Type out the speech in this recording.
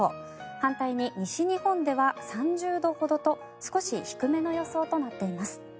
反対に西日本では３０度ほどと少し低めの予想となっています。